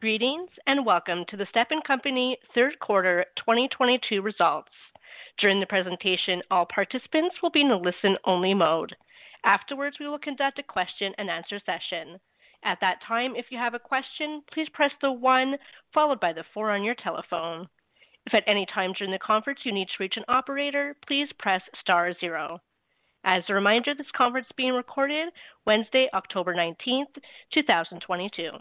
Greetings, and welcome to the Stepan Company third quarter 2022 results. During the presentation, all participants will be in a listen-only mode. Afterwards, we will conduct a question-and-answer session. At that time, if you have a question, please press the one followed by the four on your telephone. If at any time during the conference you need to reach an operator, please press star zero. As a reminder, this conference is being recorded Wednesday, October 19th, 2022.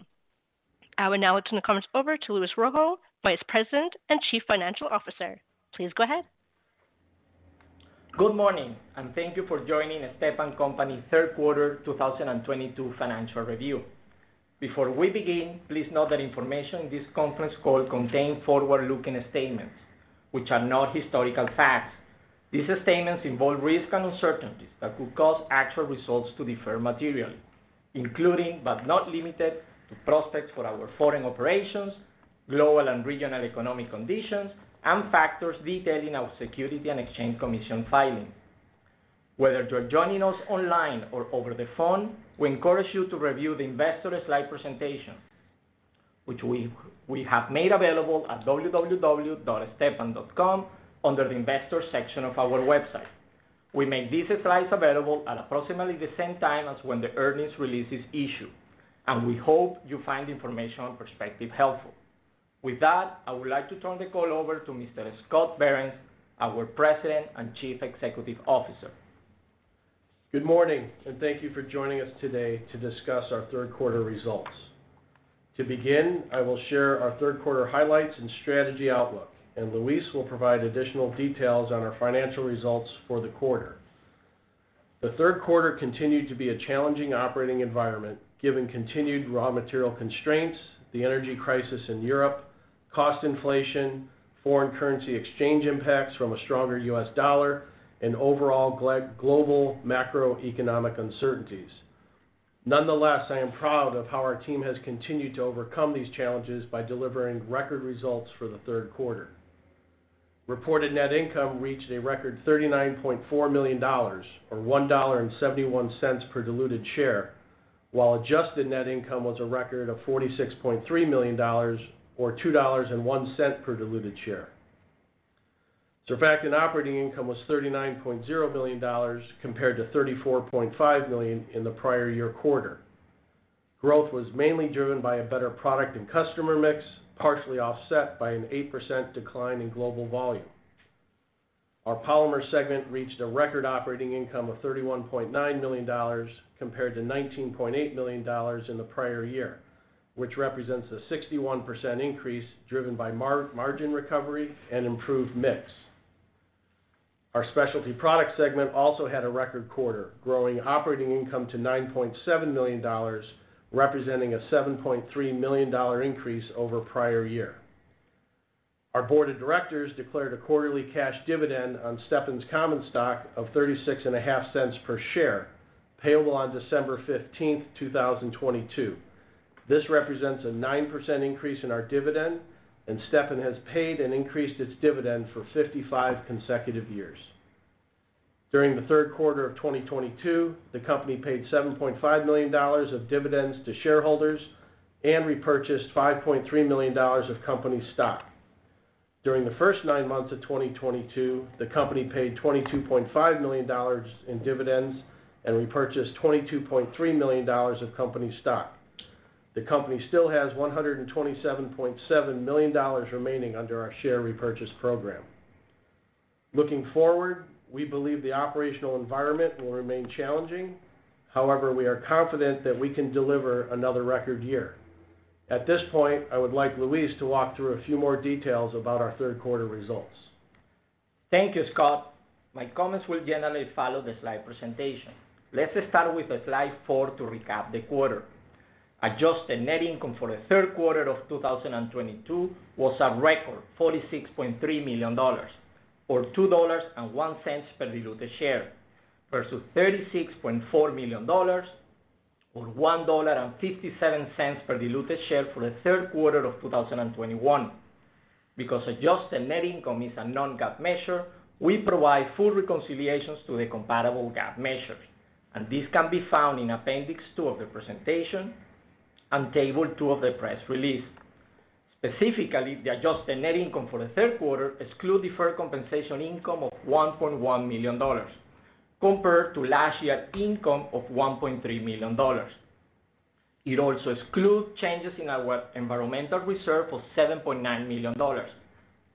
I will now turn the conference over to Luis Rojo, Vice President and Chief Financial Officer. Please go ahead. Good morning, and thank you for joining Stepan Company third quarter 2022 financial review. Before we begin, please note that information in this conference call contain forward-looking statements which are not historical facts. These statements involve risks and uncertainties that could cause actual results to differ materially, including, but not limited to, prospects for our foreign operations, global and regional economic conditions, and factors detailed in our Securities and Exchange Commission filing. Whether you're joining us online or over the phone, we encourage you to review the investor slide presentation, which we have made available at www.stepan.com under the Investors section of our website. We made these slides available at approximately the same time as when the earnings release is issued, and we hope you find the information perspective helpful. With that, I would like to turn the call over to Mr. Scott R. Behrens, our President and Chief Executive Officer. Good morning, and thank you for joining us today to discuss our third quarter results. To begin, I will share our third quarter highlights and strategy outlook, and Luis will provide additional details on our financial results for the quarter. The third quarter continued to be a challenging operating environment, given continued raw material constraints, the energy crisis in Europe, cost inflation, foreign currency exchange impacts from a stronger U.S. dollar, and overall global macroeconomic uncertainties. Nonetheless, I am proud of how our team has continued to overcome these challenges by delivering record results for the third quarter. Reported net income reached a record $39.4 million, or $1.71 per diluted share, while adjusted net income was a record of $46.3 million or $2.01 per diluted share. Surfactant operating income was $39.0 million compared to $34.5 million in the prior year quarter. Growth was mainly driven by a better product and customer mix, partially offset by an 8% decline in global volume. Our Polymer segment reached a record operating income of $31.9 million compared to $19.8 million in the prior year, which represents a 61% increase driven by margin recovery and improved mix. Our Specialty Products segment also had a record quarter, growing operating income to $9.7 million, representing a $7.3 million increase over prior year. Our board of directors declared a quarterly cash dividend on Stepan's common stock of $0.365 per share, payable on December 15th, 2022. This represents a 9% increase in our dividend, and Stepan Company has paid and increased its dividend for 55 consecutive years. During the third quarter of 2022, the company paid $7.5 million of dividends to shareholders and repurchased $5.3 million of company stock. During the first 9-months of 2022, the company paid $22.5 million in dividends and repurchased $22.3 million of company stock. The company still has $127.7 million remaining under our share repurchase program. Looking forward, we believe the operational environment will remain challenging. However, we are confident that we can deliver another record year. At this point, I would like Luis to walk through a few more details about our third quarter results. Thank you, Scott. My comments will generally follow the slide presentation. Let's start with slide 4 to recap the quarter. Adjusted net income for the third quarter of 2022 was a record $46.3 million, or $2.01 per diluted share, versus $36.4 million, or $1.57 per diluted share for the third quarter of 2021. Because adjusted net income is a Non-GAAP measure, we provide full reconciliations to the comparable GAAP measures, and this can be found in appendix 2 of the presentation and table 2 of the press release. Specifically, the adjusted net income for the third quarter exclude deferred compensation income of $1.1 million compared to last year's income of $1.3 million. It also excludes changes in our environmental reserve of $7.9 million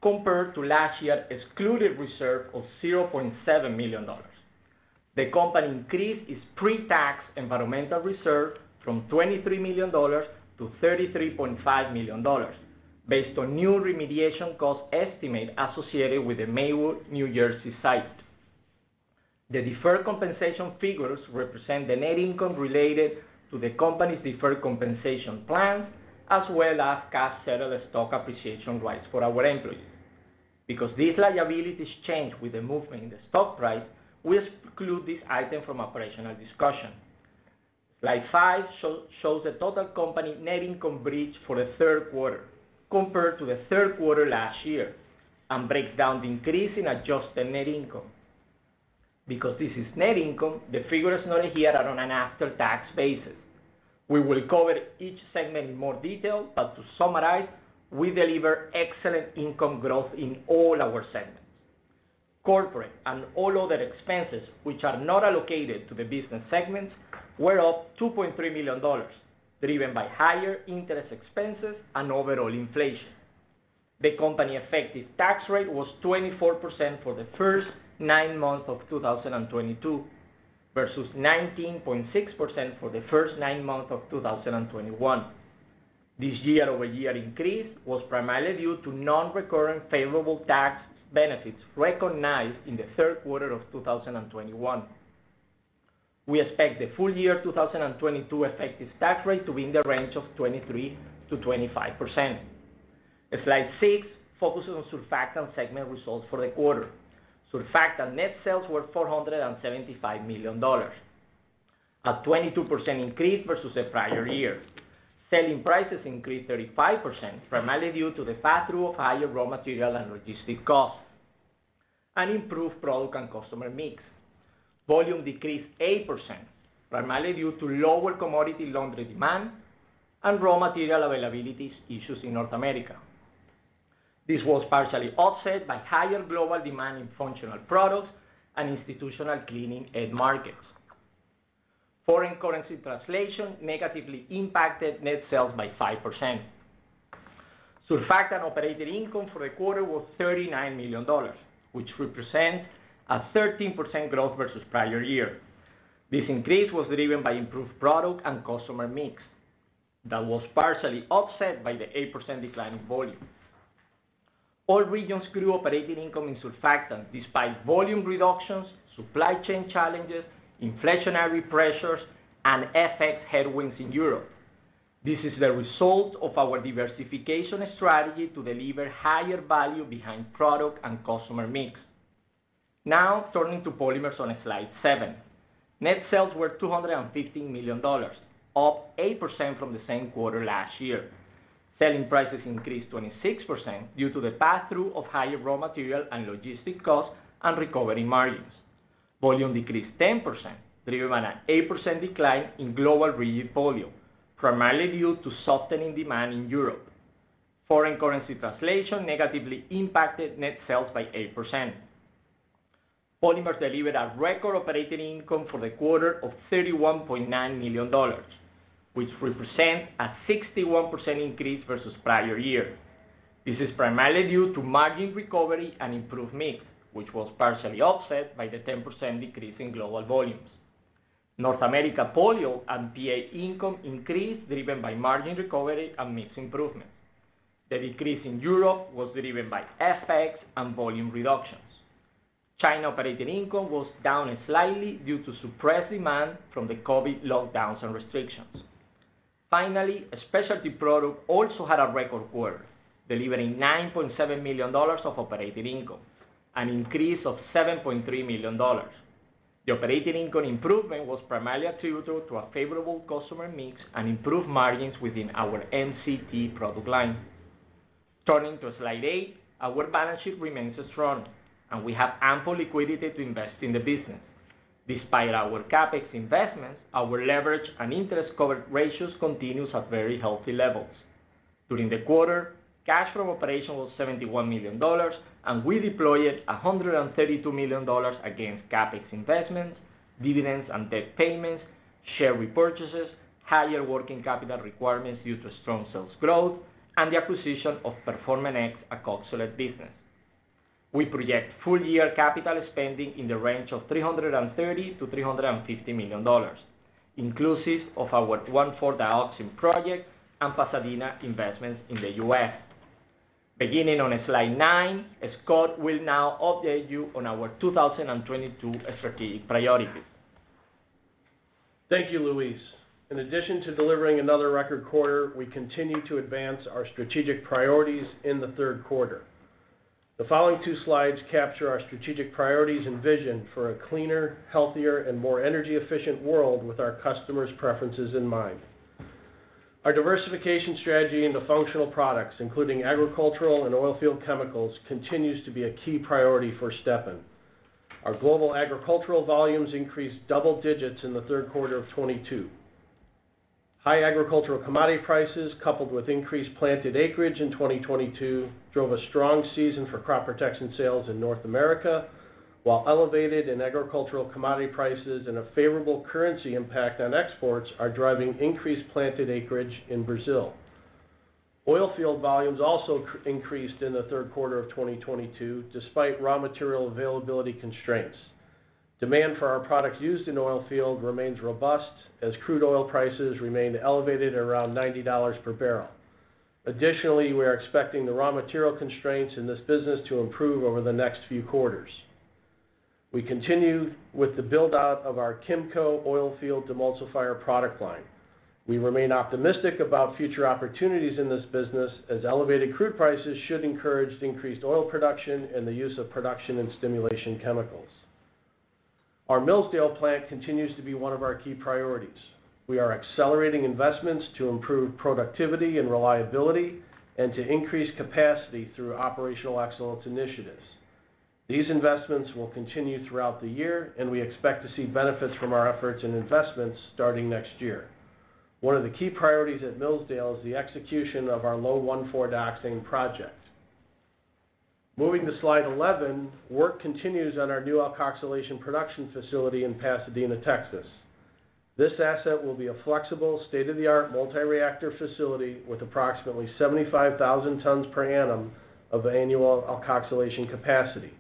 compared to last year's excluded reserve of $0.7 million. The company increased its pre-tax environmental reserve from $23 million-$33.5 million based on new remediation cost estimate associated with the Maywood, New Jersey site. The deferred compensation figures represent the net income related to the company's deferred compensation plans, as well as cash settled stock appreciation rights for our employees. Because these liabilities change with the movement in the stock price, we exclude this item from operational discussion. Slide 5 shows the total company net income bridge for the third quarter compared to the third quarter last year and breaks down the increase in adjusted net income. Because this is net income, the figures noted here are on an after-tax basis. We will cover each segment in more detail, but to summarize, we delivered excellent income growth in all our segments. Corporate and all other expenses, which are not allocated to the business segments, were up $2.3 million, driven by higher interest expenses and overall inflation. The company effective tax rate was 24% for the first nine months of 2022, versus 19.6% for the first nine months of 2021. This year-over-year increase was primarily due to non-recurrent favorable tax benefits recognized in the third quarter of 2021. We expect the full year 2022 effective tax rate to be in the range of 23%-25%. Slide 6 focuses on Surfactants segment results for the quarter. Surfactants net sales were $475 million, a 22% increase versus the prior year. Selling prices increased 35%, primarily due to the pass-through of higher raw material and logistic costs, and improved product and customer mix. Volume decreased 8%, primarily due to lower commodity laundry demand and raw material availabilities issues in North America. This was partially offset by higher global demand in functional products and institutional cleaning end markets. Foreign currency translation negatively impacted net sales by 5%. Surfactants operating income for the quarter was $39 million, which represents a 13% growth versus prior year. This increase was driven by improved product and customer mix that was partially offset by the 8% decline in volume. All regions grew operating income in Surfactants despite volume reductions, supply chain challenges, inflationary pressures, and FX headwinds in Europe. This is the result of our diversification strategy to deliver higher value behind product and customer mix. Now, turning to Polymers on slide 7. Net sales were $215 million, up 8% from the same quarter last year. Selling prices increased 26% due to the pass-through of higher raw material and logistic costs and recovery margins. Volume decreased 10%, driven by an 8% decline in global rigid volume, primarily due to softening demand in Europe. Foreign currency translation negatively impacted net sales by 8%. Polymers delivered a record operating income for the quarter of $31.9 million, which represents a 61% increase versus prior year. This is primarily due to margin recovery and improved mix, which was partially offset by the 10% decrease in global volumes. North America Polyol and PA income increased, driven by margin recovery and mix improvements. The decrease in Europe was driven by FX and volume reductions. China operating income was down slightly due to suppressed demand from the COVID lockdowns and restrictions. Specialty Products also had a record quarter, delivering $9.7 million of operating income, an increase of $7.3 million. The operating income improvement was primarily attributed to a favorable customer mix and improved margins within our MCT product line. Turning to slide 8, our balance sheet remains strong, and we have ample liquidity to invest in the business. Despite our CapEx investments, our leverage and interest cover ratios continues at very healthy levels. During the quarter, cash from operations was $71 million, and we deployed $132 million against CapEx investments, dividends and debt payments, share repurchases, higher working capital requirements due to strong sales growth, and the acquisition of Performanx, a surfactant business. We project full year capital spending in the range of $330 million-$350 million, inclusive of our 1,4-dioxane project and Pasadena investments in the U.S. Beginning on slide 9, Scott will now update you on our 2022 strategic priorities. Thank you, Luis. In addition to delivering another record quarter, we continue to advance our strategic priorities in the third quarter. The following two slides capture our strategic priorities and vision for a cleaner, healthier, and more energy-efficient world with our customers' preferences in mind. Our diversification strategy into functional products, including agricultural and oilfield chemicals, continues to be a key priority for Stepan. Our global agricultural volumes increased double digits in the third quarter of 2022. High agricultural commodity prices, coupled with increased planted acreage in 2022, drove a strong season for crop protection sales in North America, while elevated agricultural commodity prices and a favorable currency impact on exports are driving increased planted acreage in Brazil. Oilfield volumes also increased in the third quarter of 2022, despite raw material availability constraints. Demand for our products used in oilfield remains robust as crude oil prices remain elevated around $90 per barrel. Additionally, we are expecting the raw material constraints in this business to improve over the next few quarters. We continue with the build-out of our Chemco oilfield demulsifier product line. We remain optimistic about future opportunities in this business, as elevated crude prices should encourage the increased oil production and the use of production and stimulation chemicals. Our Millsdale plant continues to be one of our key priorities. We are accelerating investments to improve productivity and reliability and to increase capacity through operational excellence initiatives. These investments will continue throughout the year, and we expect to see benefits from our efforts and investments starting next year. One of the key priorities at Millsdale is the execution of our low 1,4-dioxane project. Moving to slide 11, work continues on our new alkoxylation production facility in Pasadena, Texas. This asset will be a flexible, state-of-the-art multi-reactor facility with approximately 75,000 tons per annum of annual alkoxylation capacity.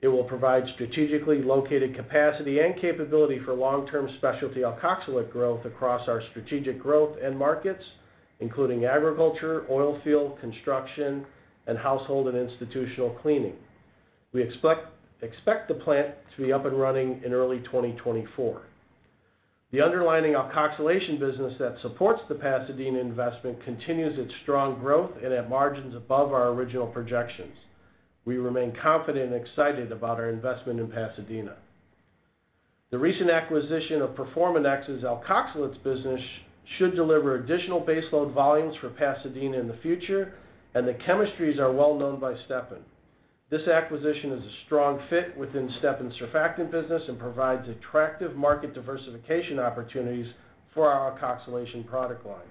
It will provide strategically located capacity and capability for long-term specialty alkoxylate growth across our strategic growth end markets, including agriculture, oil field, construction, and household and institutional cleaning. We expect the plant to be up and running in early 2024. The underlying alkoxylation business that supports the Pasadena investment continues its strong growth and at margins above our original projections. We remain confident and excited about our investment in Pasadena. The recent acquisition of Performanx's alkoxylates business should deliver additional baseload volumes for Pasadena in the future, and the chemistries are well known by Stepan. This acquisition is a strong fit within Stepan's surfactant business and provides attractive market diversification opportunities for our alkoxylation product line.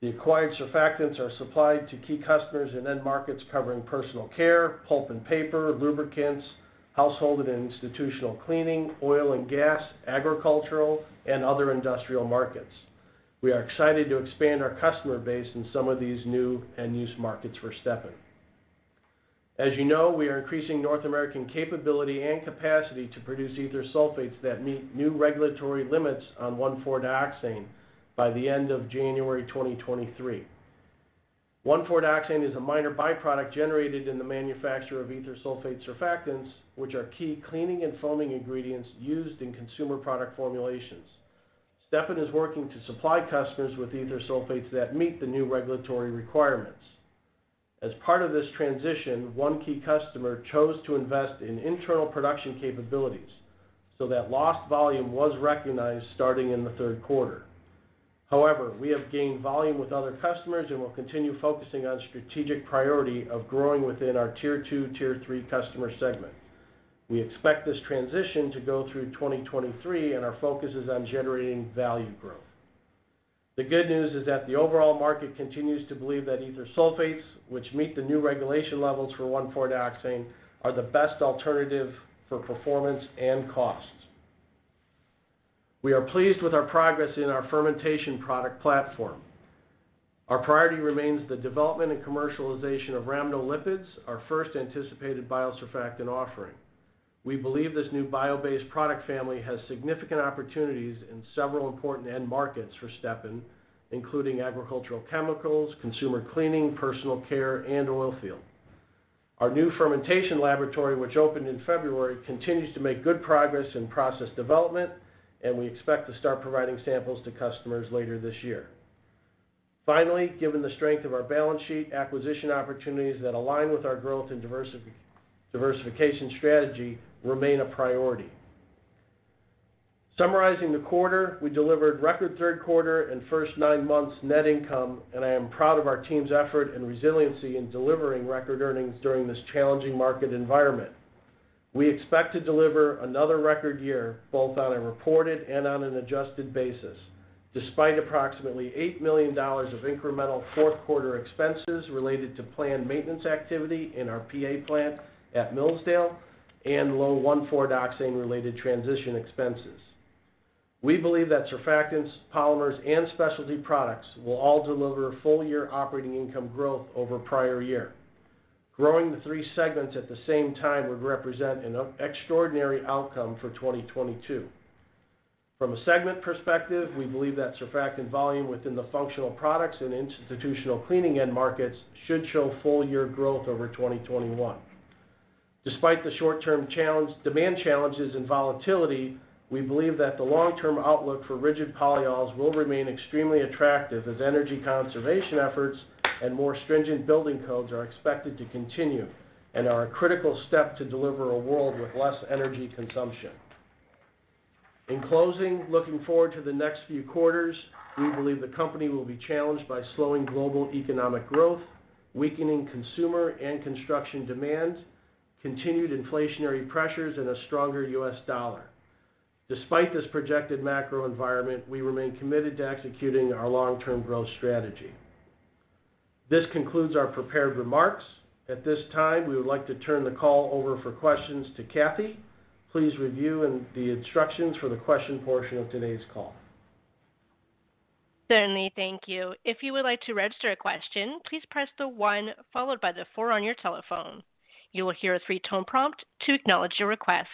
The acquired surfactants are supplied to key customers in end markets covering personal care, pulp and paper, lubricants, household and institutional cleaning, oil and gas, agricultural, and other industrial markets. We are excited to expand our customer base in some of these new end-use markets for Stepan. As you know, we are increasing North American capability and capacity to produce ether sulfates that meet new regulatory limits on 1,4-dioxane by the end of January 2023. 1,4-Dioxane is a minor byproduct generated in the manufacture of ether sulfate surfactants, which are key cleaning and foaming ingredients used in consumer product formulations. Stepan is working to supply customers with ether sulfates that meet the new regulatory requirements. As part of this transition, one key customer chose to invest in internal production capabilities, so that lost volume was recognized starting in the third quarter. However, we have gained volume with other customers, and we'll continue focusing on strategic priority of growing within our Tier 2, Tier 3 customer segment. We expect this transition to go through 2023, and our focus is on generating value growth. The good news is that the overall market continues to believe that ether sulfates, which meet the new regulation levels for 1,4-dioxane, are the best alternative for performance and cost. We are pleased with our progress in our fermentation product platform. Our priority remains the development and commercialization of rhamnolipids, our first anticipated biosurfactant offering. We believe this new bio-based product family has significant opportunities in several important end markets for Stepan, including agricultural chemicals, consumer cleaning, personal care, and oil field. Our new fermentation laboratory, which opened in February, continues to make good progress in process development, and we expect to start providing samples to customers later this year. Finally, given the strength of our balance sheet, acquisition opportunities that align with our growth and diversification strategy remain a priority. Summarizing the quarter, we delivered record third quarter and first nine months net income, and I am proud of our team's effort and resiliency in delivering record earnings during this challenging market environment. We expect to deliver another record year, both on a reported and on an adjusted basis, despite approximately $8 million of incremental fourth quarter expenses related to planned maintenance activity in our PA plant at Millsdale and low 1,4-dioxane related transition expenses. We believe that surfactants, polymers, and specialty products will all deliver full-year operating income growth over prior year. Growing the three segments at the same time would represent an extraordinary outcome for 2022. From a segment perspective, we believe that surfactant volume within the functional products and institutional cleaning end markets should show full-year growth over 2021. Despite the short-term demand challenges and volatility, we believe that the long-term outlook for rigid polyols will remain extremely attractive as energy conservation efforts and more stringent building codes are expected to continue and are a critical step to deliver a world with less energy consumption. In closing, looking forward to the next few quarters, we believe the company will be challenged by slowing global economic growth, weakening consumer and construction demand, continued inflationary pressures, and a stronger U.S. dollar. Despite this projected macro environment, we remain committed to executing our long-term growth strategy. This concludes our prepared remarks. At this time, we would like to turn the call over for questions to Kathy. Please review the instructions for the question portion of today's call. Certainly. Thank you. If you would like to register a question, please press the one followed by the four on your telephone. You will hear a three-tone prompt to acknowledge your request.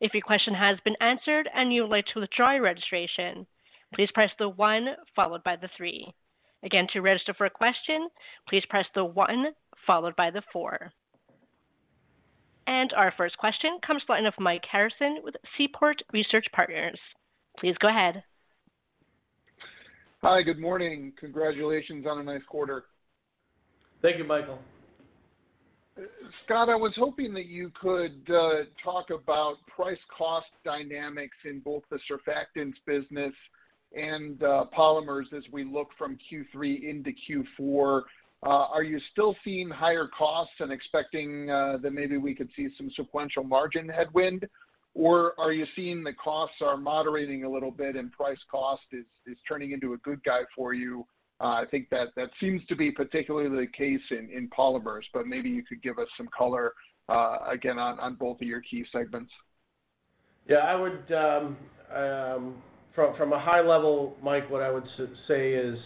If your question has been answered and you would like to withdraw your registration, please press the one followed by the three. Again, to register for a question, please press the one followed by the four. Our first question comes from the line of Mike Harrison with Seaport Research Partners. Please go ahead. Hi. Good morning. Congratulations on a nice quarter. Thank you, Michael. Scott, I was hoping that you could talk about price cost dynamics in both the surfactants business and polymers as we look from Q3 into Q4. Are you still seeing higher costs and expecting that maybe we could see some sequential margin headwind? Or are you seeing the costs are moderating a little bit and price cost is turning into a good guy for you? I think that seems to be particularly the case in polymers, but maybe you could give us some color again on both of your key segments. Yeah, I would, from a high level, Mike, what I would say is,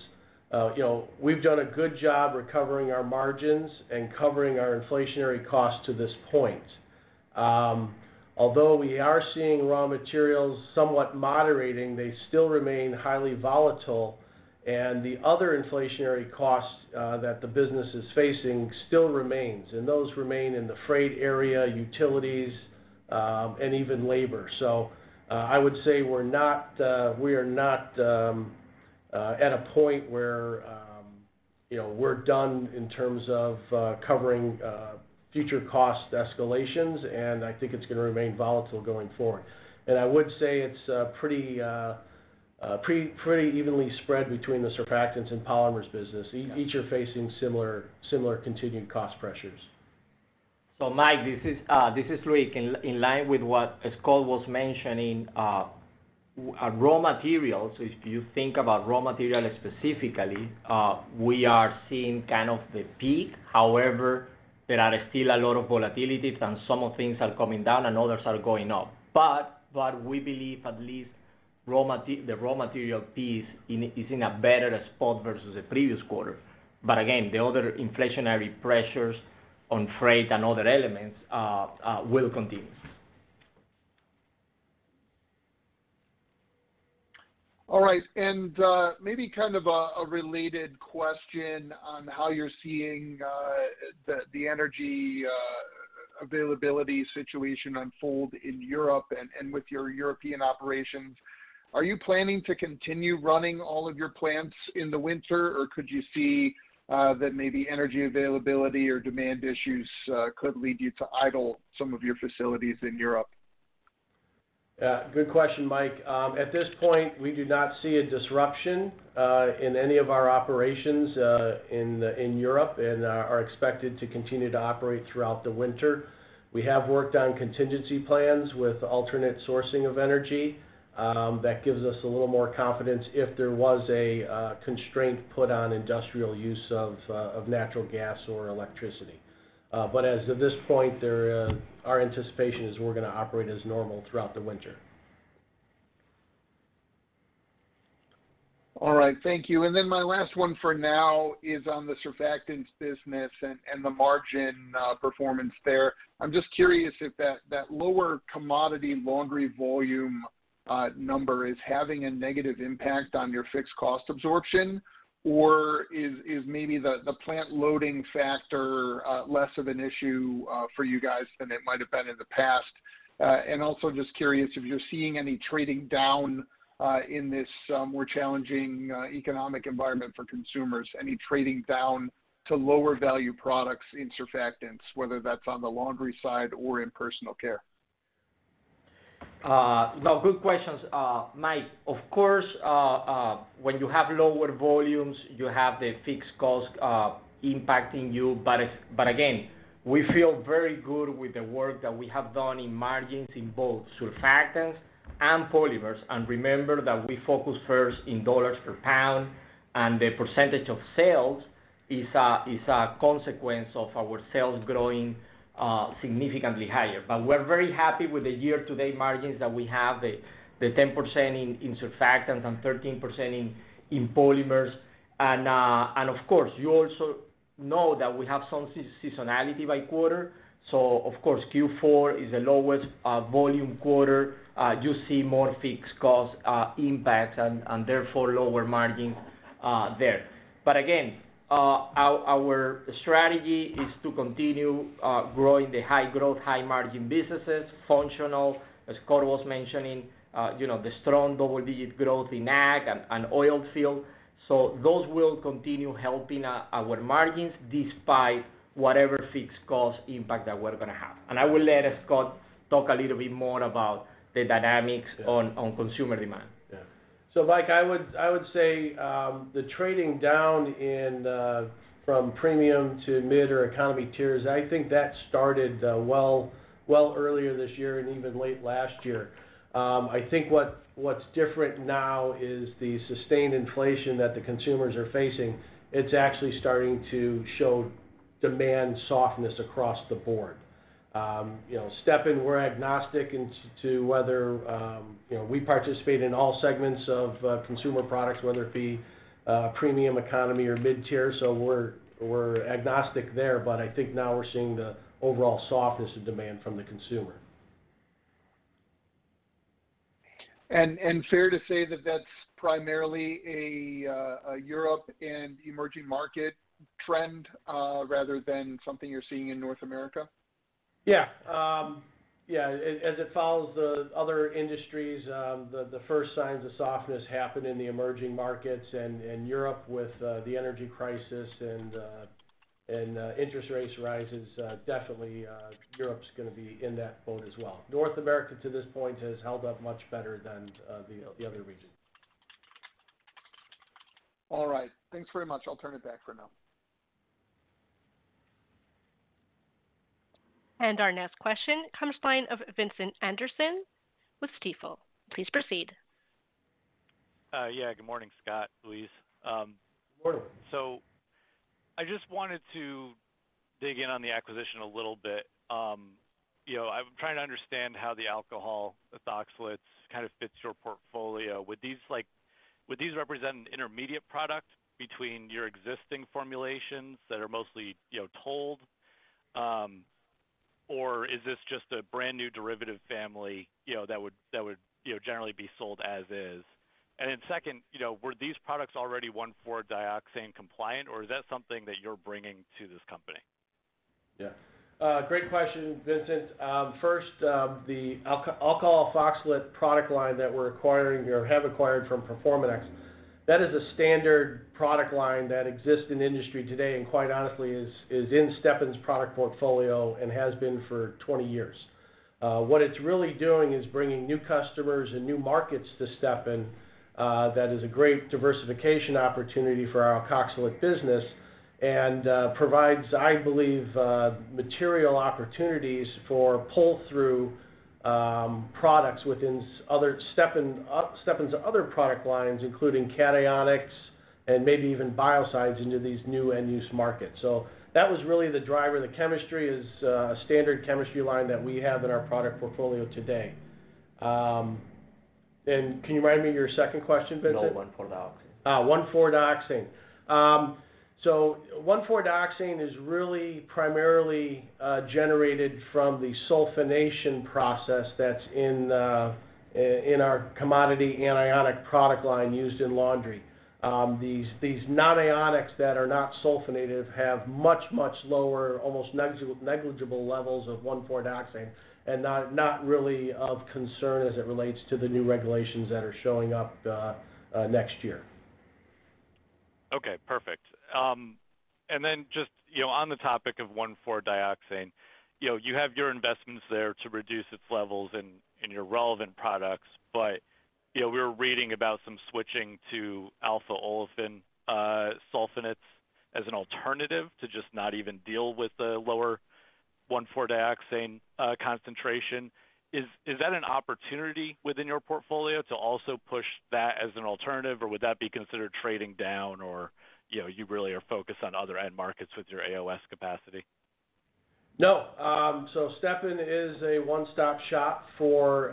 you know, we've done a good job recovering our margins and covering our inflationary costs to this point. Although we are seeing raw materials somewhat moderating, they still remain highly volatile, and the other inflationary costs that the business is facing still remains. Those remain in the freight area, utilities, and even labor. I would say we are not at a point where, you know, we're done in terms of covering future cost escalations, and I think it's gonna remain volatile going forward. I would say it's pretty evenly spread between the Surfactants and Polymers business. Each are facing similar continued cost pressures. Mike, this is Luis. In line with what Scott was mentioning, raw materials, if you think about raw material specifically, we are seeing kind of the peak. However, there are still a lot of volatility, and some of the things are coming down and others are going up. But we believe at least the raw material piece is in a better spot versus the previous quarter. But again, the other inflationary pressures on freight and other elements will continue. All right. Maybe kind of a related question on how you're seeing the energy availability situation unfold in Europe and with your European operations. Are you planning to continue running all of your plants in the winter, or could you see that maybe energy availability or demand issues could lead you to idle some of your facilities in Europe? Yeah, good question, Mike. At this point, we do not see a disruption in any of our operations in Europe and are expected to continue to operate throughout the winter. We have worked on contingency plans with alternate sourcing of energy that gives us a little more confidence if there was a constraint put on industrial use of natural gas or electricity. As of this point, our anticipation is we're gonna operate as normal throughout the winter. All right, thank you. My last one for now is on the surfactants business and the margin performance there. I'm just curious if that lower commodity laundry volume number is having a negative impact on your fixed cost absorption or is maybe the plant loading factor less of an issue for you guys than it might have been in the past? Also just curious if you're seeing any trading down in this more challenging economic environment for consumers. Any trading down to lower value products in surfactants, whether that's on the laundry side or in personal care? No, good questions, Mike. Of course, when you have lower volumes, you have the fixed cost impacting you. Again, we feel very good with the work that we have done in margins in both surfactants and polymers. Remember that we focus first in dollars per pound, and the percentage of sales is a consequence of our sales growing significantly higher. We're very happy with the year-to-date margins that we have, the 10% in surfactants and 13% in polymers. Of course, you also know that we have some seasonality by quarter. Q4 is the lowest volume quarter. You see more fixed cost impacts and therefore lower margin there. Again, our strategy is to continue growing the high growth, high margin businesses, functional, as Scott was mentioning, you know, the strong double-digit growth in ag and oil field. Those will continue helping our margins despite whatever fixed cost impact that we're gonna have. I will let Scott talk a little bit more about the dynamics. Yeah. on consumer demand. Yeah. Mike, I would say the trading down from premium to mid or economy tiers, I think that started well earlier this year and even late last year. I think what's different now is the sustained inflation that the consumers are facing. It's actually starting to show demand softness across the board. You know, Stepan, we're agnostic to whether you know, we participate in all segments of consumer products, whether it be premium economy or mid-tier, so we're agnostic there. But I think now we're seeing the overall softness of demand from the consumer. Fair to say that that's primarily a Europe and emerging market trend, rather than something you're seeing in North America? Yeah. Yeah, as it follows the other industries, the first signs of softness happened in the emerging markets and in Europe with the energy crisis and interest rates rises, definitely, Europe's gonna be in that boat as well. North America, to this point, has held up much better than the other regions. All right. Thanks very much. I'll turn it back for now. Our next question comes from Vincent Anderson with Stifel. Please proceed. Yeah, good morning, Scott, Luis. Morning. I just wanted to dig in on the acquisition a little bit. You know, I'm trying to understand how the alcohol ethoxylates kind of fits your portfolio. Would these represent an intermediate product between your existing formulations that are mostly, you know, sold, or is this just a brand new derivative family, you know, that would, you know, generally be sold as is? Second, you know, were these products already 1,4-dioxane compliant, or is that something that you're bringing to this company? Great question, Vincent. First, the alcohol ethoxylate product line that we're acquiring or have acquired from Performanx, that is a standard product line that exists in industry today and quite honestly is in Stepan's product portfolio and has been for 20 years. What it's really doing is bringing new customers and new markets to Stepan. That is a great diversification opportunity for our alkoxylate business and provides, I believe, material opportunities for pull through products within Stepan's other product lines, including cationics and maybe even biocides into these new end-use markets. That was really the driver. The chemistry is a standard chemistry line that we have in our product portfolio today. Can you remind me of your second question, Vincent? The one for dioxane. 1,4-dioxane is really primarily generated from the sulfonation process that's in our commodity anionic product line used in laundry. These nonionics that are not sulfonated have much lower, almost negligible levels of 1,4-dioxane and not really of concern as it relates to the new regulations that are showing up next year. Okay. Perfect. just, you know, on the topic of 1,4-dioxane, you know, you have your investments there to reduce its levels in your relevant products. you know, we're reading about some switching to alpha olefin sulfonates as an alternative to just not even deal with the lower 1,4-dioxane concentration. Is that an opportunity within your portfolio to also push that as an alternative, or would that be considered trading down or, you know, you really are focused on other end markets with your AOS capacity? No. Stepan is a one-stop shop for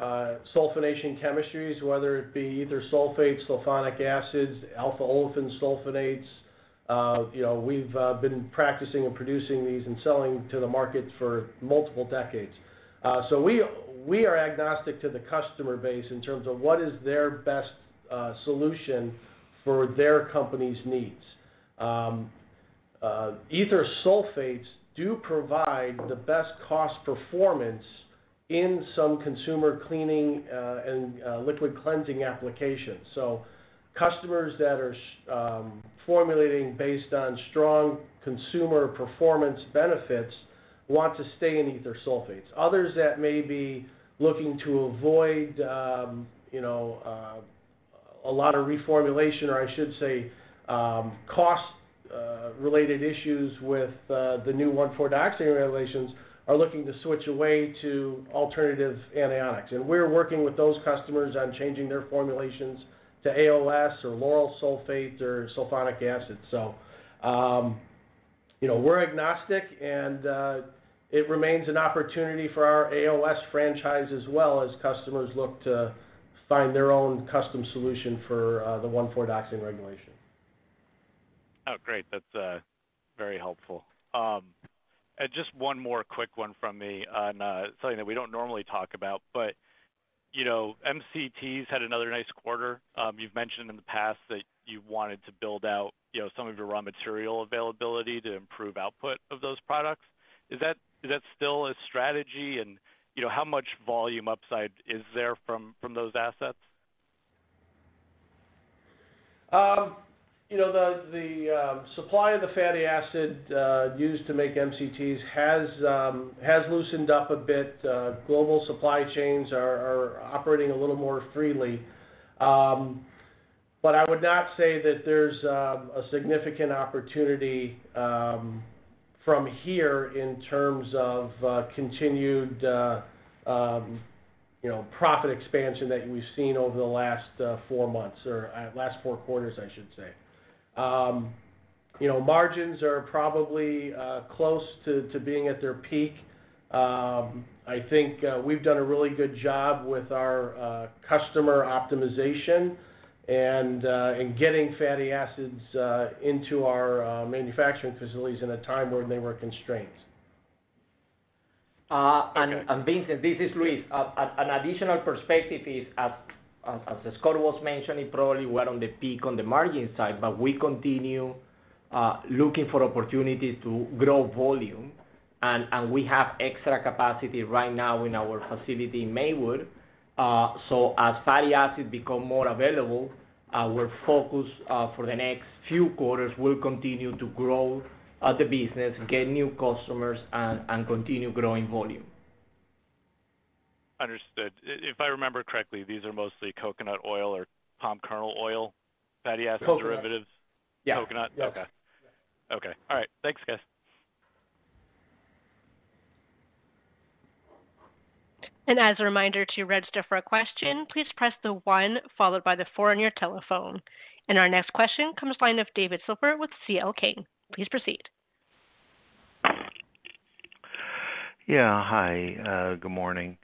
sulfonation chemistries, whether it be either sulfate, sulfonic acids, alpha olefin sulfonates. You know, we've been practicing and producing these and selling to the market for multiple decades. We are agnostic to the customer base in terms of what is their best solution for their company's needs. Ether sulfates do provide the best cost performance in some consumer cleaning and liquid cleansing applications. Customers that are formulating based on strong consumer performance benefits want to stay in ether sulfates. Others that may be looking to avoid you know a lot of reformulation, or I should say cost related issues with the new 1,4-dioxane regulations are looking to switch away to alternative anionics. We're working with those customers on changing their formulations to AOS or lauryl sulfate or sulfonic acid. You know, we're agnostic and it remains an opportunity for our AOS franchise as well as customers look to find their own custom solution for the 1,4-dioxane regulation. Oh, great. That's very helpful. Just one more quick one from me on something that we don't normally talk about. You know, MCTs had another nice quarter. You've mentioned in the past that you wanted to build out, you know, some of your raw material availability to improve output of those products. Is that still a strategy? You know, how much volume upside is there from those assets? You know, the supply of the fatty acid used to make MCTs has loosened up a bit. Global supply chains are operating a little more freely. I would not say that there's a significant opportunity from here in terms of continued you know profit expansion that we've seen over the last four months or last four quarters, I should say. You know, margins are probably close to being at their peak. I think we've done a really good job with our customer optimization and in getting fatty acids into our manufacturing facilities in a time where they were constrained. Vincent, this is Luis. An additional perspective is, as Scott was mentioning, probably we're on the peak on the margin side, but we continue. Looking for opportunities to grow volume. We have extra capacity right now in our facility in Maywood. As fatty acid become more available, our focus for the next few quarters will continue to grow the business, get new customers and continue growing volume. Understood. If I remember correctly, these are mostly coconut oil or palm kernel oil, fatty acid derivatives? Coconut, yeah. Coconut? Yes. Okay. All right. Thanks, guys. As a reminder, to register for a question, please press the one followed by the four on your telephone. Our next question comes from the line of David Silver with C.L. King. Please proceed. Yeah, hi. Good morning.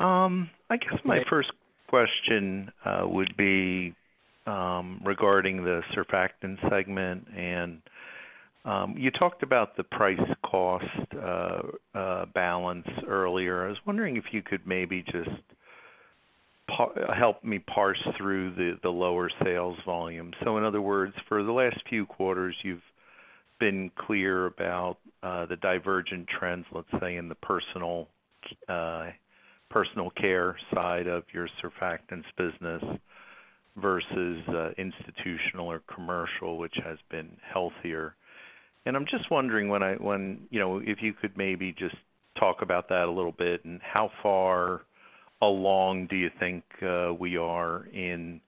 I guess my first question would be regarding the surfactant segment, and you talked about the price-cost balance earlier. I was wondering if you could maybe just help me parse through the lower sales volume. In other words, for the last few quarters, you've been clear about the divergent trends, let's say, in the personal care side of your surfactants business versus institutional or commercial, which has been healthier. I'm just wondering when, you know, if you could maybe just talk about that a little bit and how far along do you think we are in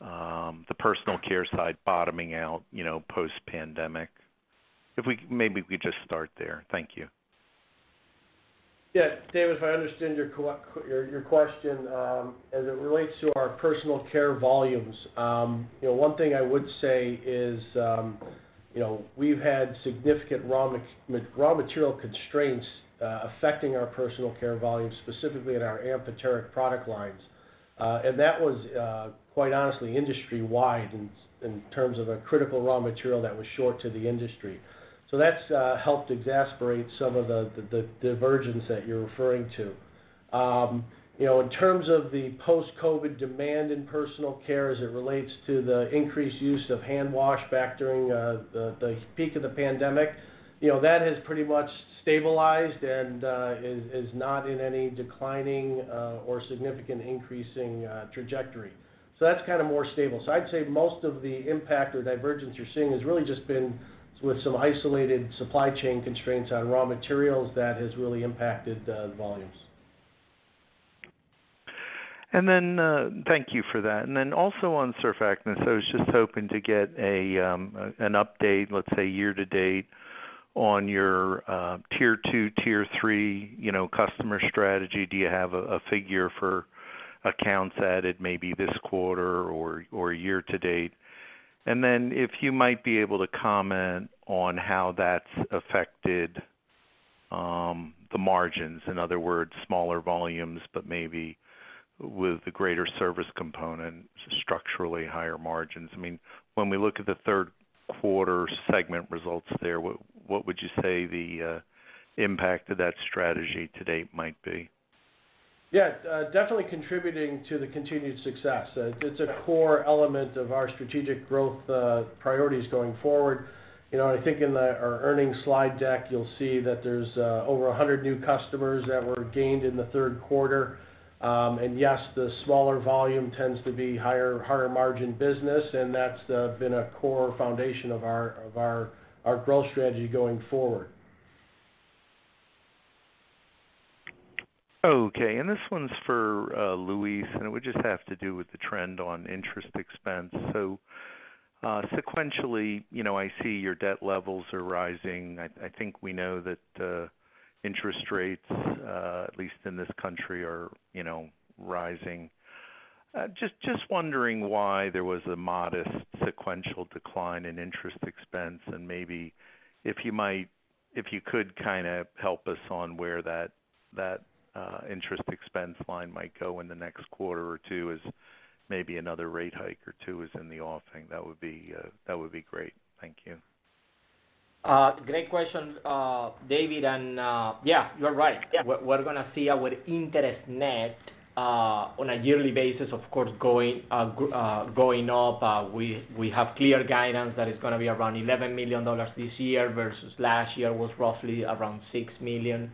the personal care side bottoming out, you know, post-pandemic. Maybe we just start there. Thank you. Yeah. David, if I understand your question, as it relates to our personal care volumes, you know, one thing I would say is, you know, we've had significant raw material constraints, affecting our personal care volumes, specifically in our amphoteric product lines. That was quite honestly industry-wide in terms of a critical raw material that was short to the industry. That's helped exacerbate some of the divergence that you're referring to. You know, in terms of the post-COVID demand in personal care as it relates to the increased use of hand wash back during the peak of the pandemic, you know, that has pretty much stabilized and is not in any declining or significant increasing trajectory. That's kind of more stable. I'd say most of the impact or divergence you're seeing has really just been with some isolated supply chain constraints on raw materials that has really impacted the volumes. Thank you for that. Also on surfactants, I was just hoping to get an update, let's say year to date, on your Tier 2, Tier 3, you know, customer strategy. Do you have a figure for accounts added maybe this quarter or year to date? If you might be able to comment on how that's affected the margins. In other words, smaller volumes, but maybe with the greater service component, structurally higher margins. I mean, when we look at the third quarter segment results there, what would you say the impact of that strategy to date might be? Yeah. Definitely contributing to the continued success. It's a core element of our strategic growth priorities going forward. You know, I think in our earnings slide deck, you'll see that there's over 100 new customers that were gained in the third quarter. And yes, the smaller volume tends to be higher margin business, and that's been a core foundation of our growth strategy going forward. Okay. This one's for Luis, and it would just have to do with the trend on interest expense. Sequentially, you know, I see your debt levels are rising. I think we know that interest rates, at least in this country are, you know, rising. Just wondering why there was a modest sequential decline in interest expense, and maybe if you could kinda help us on where that interest expense line might go in the next quarter or two, as maybe another rate hike or two is in the offing, that would be great. Thank you. Great question, David. Yeah, you're right. We're gonna see our net interest on a yearly basis, of course, going up. We have clear guidance that it's gonna be around $11 million this year versus last year was roughly around $6 million.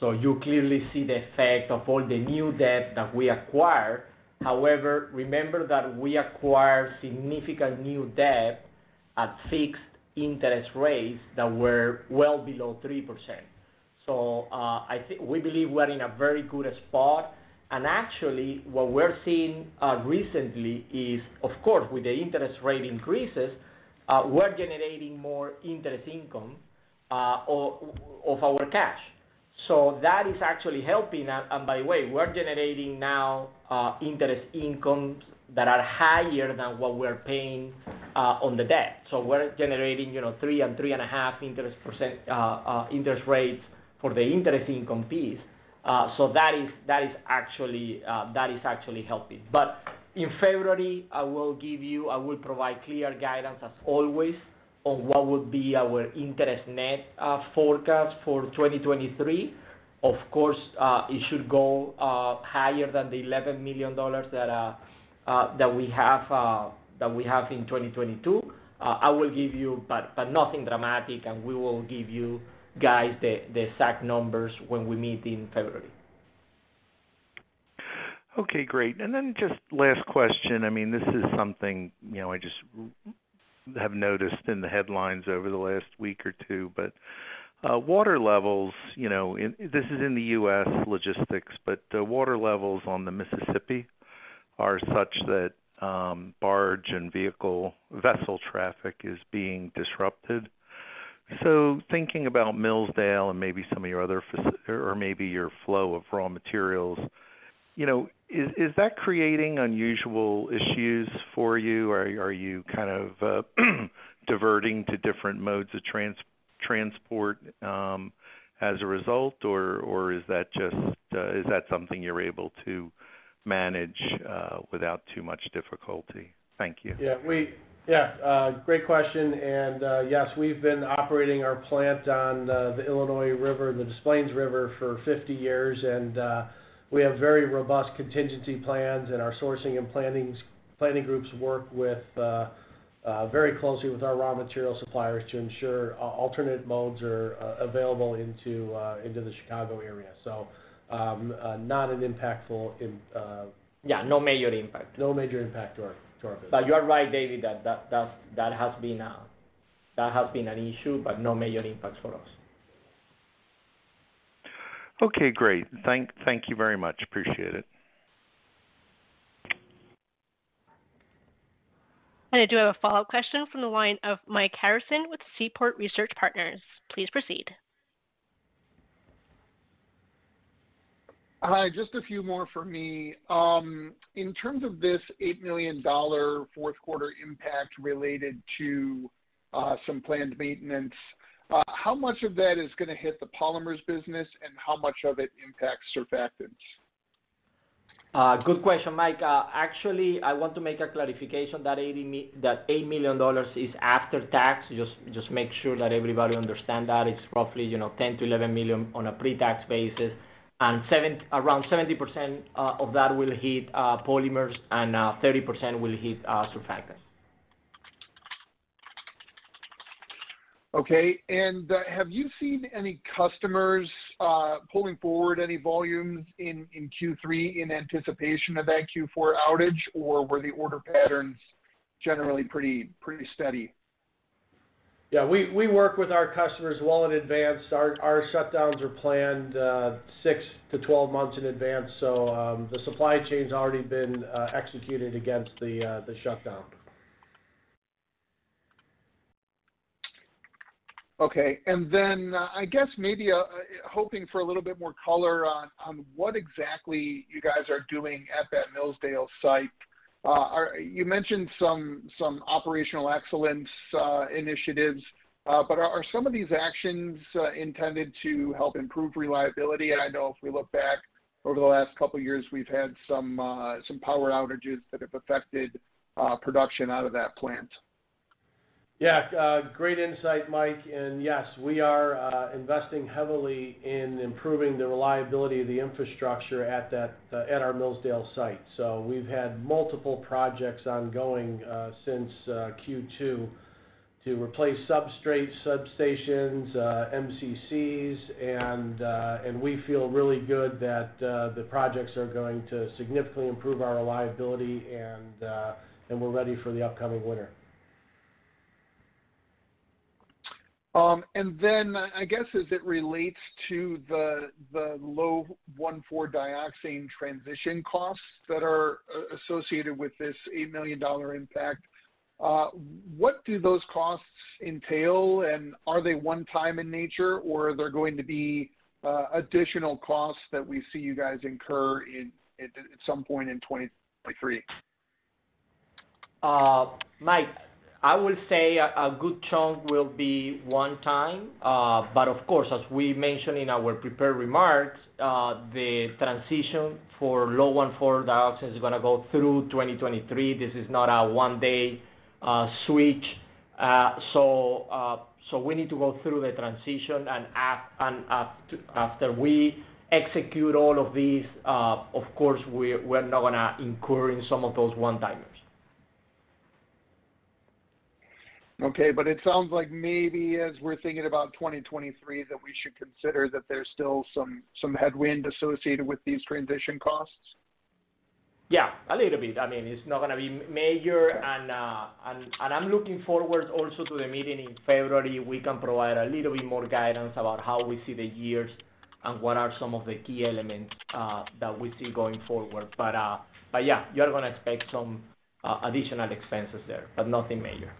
You clearly see the effect of all the new debt that we acquired. However, remember that we acquired significant new debt at fixed interest rates that were well below 3%. I think we believe we're in a very good spot. Actually, what we're seeing recently is, of course, with the interest rate increases, we're generating more interest income on our cash. That is actually helping. By the way, we're generating now interest income that are higher than what we're paying on the debt. We're generating, you know, 3%-3.5% interest rates for the interest income piece. That is actually helping. I will provide clear guidance as always on what would be our net interest forecast for 2023. Of course, it should go higher than the $11 million that we have in 2022. Nothing dramatic, and we will give you guys the exact numbers when we meet in February. Okay, great. Just last question. I mean, this is something, you know, I just have noticed in the headlines over the last week or two. Water levels, you know, this is in the U.S. logistics, but the water levels on the Mississippi are such that barge and vessel traffic is being disrupted. Thinking about Millsdale and maybe some of your other facilities or maybe your flow of raw materials, you know, is that creating unusual issues for you? Are you kind of diverting to different modes of transport as a result, or is that just something you're able to manage without too much difficulty? Thank you. Yeah, great question. Yes, we've been operating our plant on the Illinois River and the Des Plaines River for 50 years. We have very robust contingency plans, and our sourcing and planning groups work very closely with our raw material suppliers to ensure alternate modes are available into the Chicago area. Not an impactful. Yeah, no major impact. No major impact to our business. You are right, David, that has been an issue, but no major impact for us. Okay, great. Thank you very much. Appreciate it. I do have a follow-up question from the line of Mike Harrison with Seaport Research Partners. Please proceed. Hi, just a few more for me. In terms of this $8 million fourth quarter impact related to some planned maintenance, how much of that is gonna hit the Polymers business, and how much of it impacts Surfactants? Good question, Mike. Actually, I want to make a clarification that $8 million is after tax. Just make sure that everybody understand that. It's roughly, you know, $10-$11 million on a pre-tax basis. Around 70% of that will hit Polymers and 30% will hit Surfactants. Okay. Have you seen any customers pulling forward any volumes in Q3 in anticipation of that Q4 outage, or were the order patterns generally pretty steady? Yeah. We work with our customers well in advance. Our shutdowns are planned 6 months-12 months in advance, so the supply chain's already been executed against the shutdown. Okay. I guess maybe hoping for a little bit more color on what exactly you guys are doing at that Millsdale site. You mentioned some operational excellence initiatives, but are some of these actions intended to help improve reliability? I know if we look back over the last couple years, we've had some power outages that have affected production out of that plant. Yeah. Great insight, Mike. Yes, we are investing heavily in improving the reliability of the infrastructure at that, at our Millsdale site. We've had multiple projects ongoing since Q2 to replace substations, MCCs. And we feel really good that the projects are going to significantly improve our reliability and we're ready for the upcoming winter. I guess as it relates to the low 1,4-dioxane transition costs that are associated with this $8 million impact, what do those costs entail, and are they one time in nature, or are there going to be additional costs that we see you guys incur in at some point in 2023? Mike, I would say a good chunk will be one-time. Of course, as we mentioned in our prepared remarks, the transition for low 1,4-dioxane is gonna go through 2023. This is not a one-day switch. We need to go through the transition, and after we execute all of these, of course we're now gonna incur in some of those one-timers. Okay. It sounds like maybe as we're thinking about 2023 that we should consider that there's still some headwind associated with these transition costs. Yeah, a little bit. I mean, it's not gonna be major. I'm looking forward also to the meeting in February. We can provide a little bit more guidance about how we see the years and what are some of the key elements that we see going forward. Yeah, you're gonna expect some additional expenses there, but nothing major. Okay.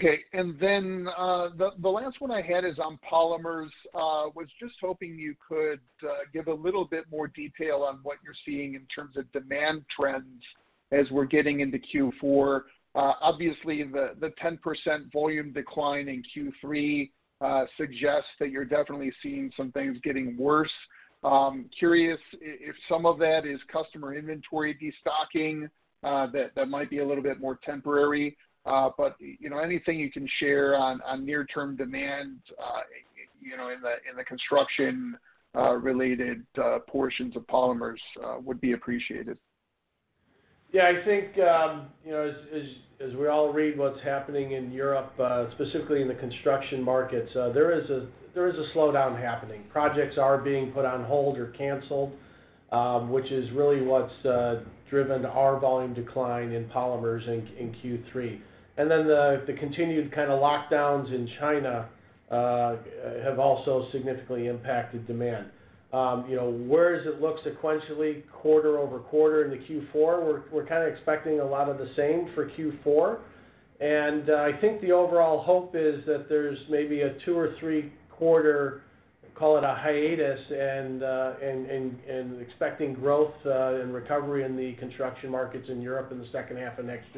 The last one I had is on Polymers. Was just hoping you could give a little bit more detail on what you're seeing in terms of demand trends as we're getting into Q4. Obviously the 10% volume decline in Q3 suggests that you're definitely seeing some things getting worse. Curious if some of that is customer inventory destocking that might be a little bit more temporary. You know, anything you can share on near-term demand. You know, in the construction related portions of polymers would be appreciated. Yeah. I think, you know, as we all read what's happening in Europe, specifically in the construction markets, there is a slowdown happening. Projects are being put on hold or canceled, which is really what's driven our volume decline in Polymers in Q3. The continued kinda lockdowns in China have also significantly impacted demand. You know, where does it look sequentially quarter-over-quarter into Q4? We're kinda expecting a lot of the same for Q4. I think the overall hope is that there's maybe a two- or three-quarter, call it a hiatus, and expecting growth and recovery in the construction markets in Europe in the second half of next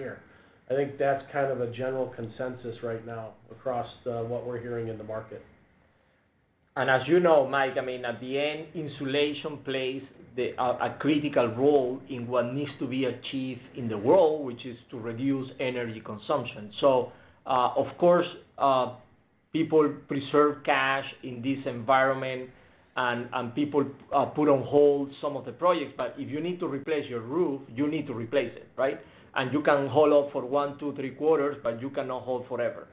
year. I think that's kind of a general consensus right now across what we're hearing in the market. As you know, Mike, I mean, at the end, insulation plays a critical role in what needs to be achieved in the world, which is to reduce energy consumption. Of course, people preserve cash in this environment and people put on hold some of the projects. If you need to replace your roof, you need to replace it, right? You can hold off for 1 quarter, 2 quarters, 3 quarters, but you cannot hold forever.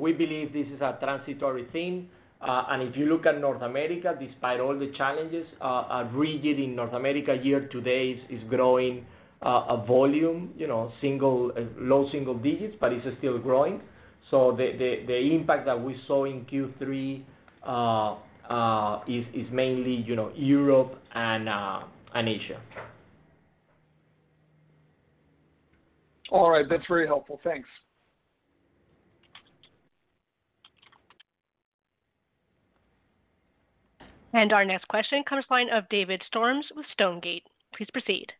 We believe this is a transitory thing. If you look at North America, despite all the challenges, rigid in North America year to date is growing in volume, you know, low single digits, but it's still growing. The impact that we saw in Q3 is mainly, you know, Europe and Asia. All right. That's very helpful. Thanks. Our next question comes from the line of David Storms with Stonegate. Please proceed.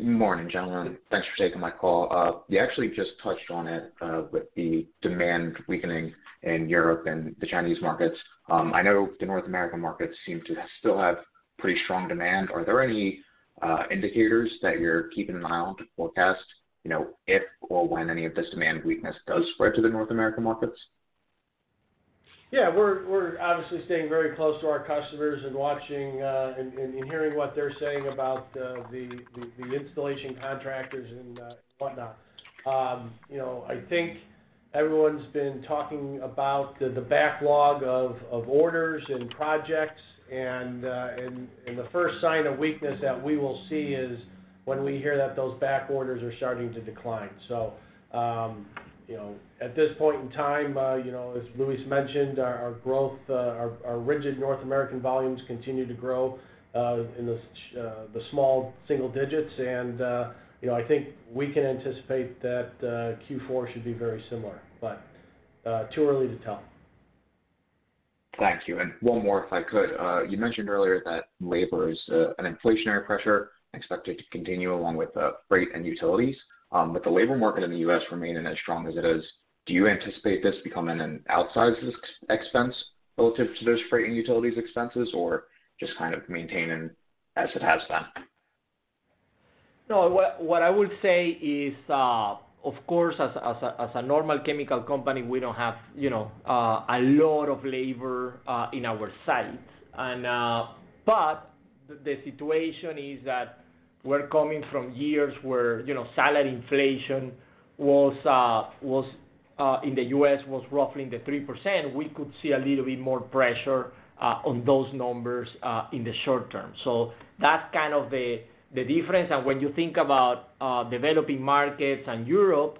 Morning, gentlemen. Thanks for taking my call. You actually just touched on it, with the demand weakening in Europe and the Chinese markets. I know the North American markets seem to still have pretty strong demand. Are there any indicators that you're keeping an eye on to forecast, you know, if or when any of this demand weakness does spread to the North American markets? Yeah. We're obviously staying very close to our customers and watching and hearing what they're saying about the installation contractors and whatnot. You know, I think everyone's been talking about the backlog of orders and projects. The first sign of weakness that we will see is when we hear that those back orders are starting to decline. You know, at this point in time, you know, as Luis mentioned, our growth, our rigid North American volumes continue to grow in the small single digits. You know, I think we can anticipate that Q4 should be very similar, but too early to tell. Thank you. One more, if I could. You mentioned earlier that labor is an inflationary pressure expected to continue along with freight and utilities. With the labor market in the U.S. remaining as strong as it is, do you anticipate this becoming an outsized expense relative to those freight and utilities expenses, or just kind of maintaining as it has been? No. What I would say is, of course, as a normal chemical company, we don't have, you know, a lot of labor in our sites. But the situation is that we're coming from years where, you know, salary inflation was in the U.S. roughly in the 3%. We could see a little bit more pressure on those numbers in the short term. That's kind of the difference. When you think about developing markets and Europe,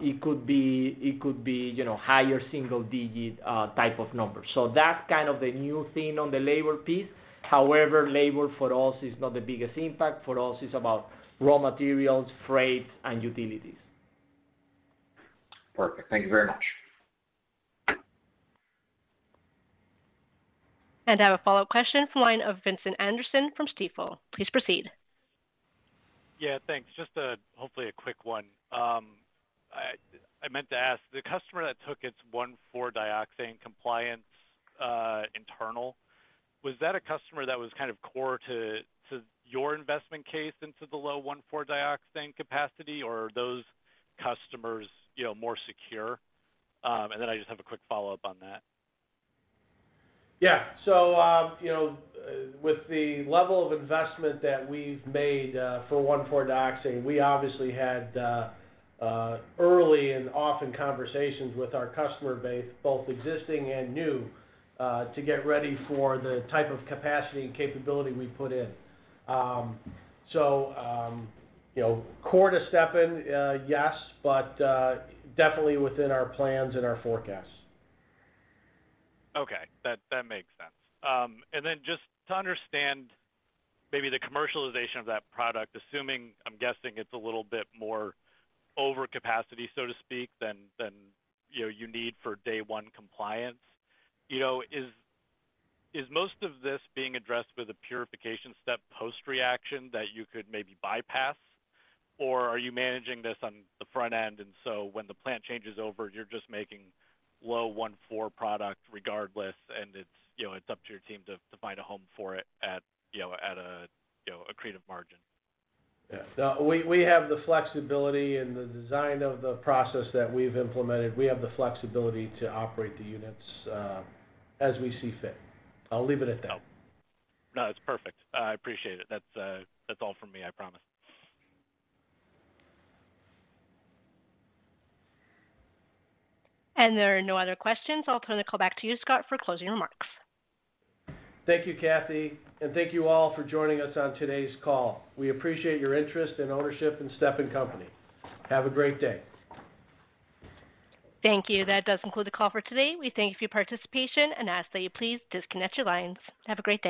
it could be, you know, higher single digit type of numbers. That's kind of the new thing on the labor piece. However, labor for us is not the biggest impact. For us, it's about raw materials, freight, and utilities. Perfect. Thank you very much. I have a follow-up question from the line of Vincent Anderson from Stifel. Please proceed. Yeah, thanks. Just hopefully a quick one. I meant to ask, the customer that took its 1,4-dioxane compliance internal, was that a customer that was kind of core to your investment case into the low 1,4-dioxane capacity, or are those customers, you know, more secure? I just have a quick follow-up on that. Yeah. You know, with the level of investment that we've made for 1,4-dioxane, we obviously had early and often conversations with our customer base, both existing and new, to get ready for the type of capacity and capability we put in. You know, core to Stepan, yes, but definitely within our plans and our forecasts. Okay. That makes sense. Just to understand maybe the commercialization of that product, assuming, I'm guessing, it's a little bit more over capacity, so to speak, than you know you need for day one compliance. You know, is most of this being addressed with a purification step post-reaction that you could maybe bypass, or are you managing this on the front end, and so when the plant changes over, you're just making low 1,4 product regardless and it's, you know, it's up to your team to find a home for it at, you know, at a, you know, accretive margin? Yeah. No, we have the flexibility in the design of the process that we've implemented. We have the flexibility to operate the units as we see fit. I'll leave it at that. No, no, it's perfect. I appreciate it. That's all from me, I promise. There are no other questions. I'll turn the call back to you, Scott, for closing remarks. Thank you, Kathy. Thank you all for joining us on today's call. We appreciate your interest and ownership in Stepan Company. Have a great day. Thank you. That does conclude the call for today. We thank you for your participation and ask that you please disconnect your lines. Have a great day.